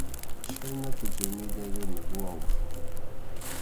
Chhaynatam chay millay runa rurawaq.